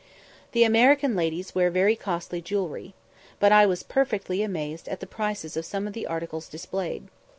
The American ladies wear very costly jewellery, but I was perfectly amazed at the prices of some of the articles displayed.